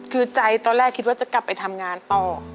คือใจตอนแรกคิดว่าจะกลับไปทำงานต่อ